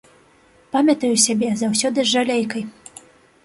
Памятаю сябе заўсёды з жалейкай.